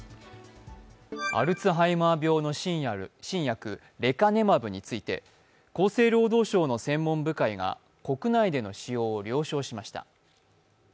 アルツハイマー病の新薬レカネマブについて、厚生労働省の専門部会が国内での使用を了承しました。